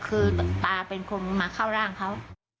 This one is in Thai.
คือตาเป็นคนมาเข้าร่างเขา